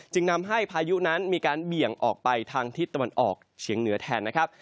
นำให้พายุนั้นมีการเบี่ยงออกไปทางทิศตะวันออกเฉียงเหนือแทนนะครับ